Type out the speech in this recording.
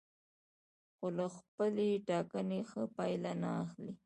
خو له خپلې ټاکنې ښه پایله نه اخلي.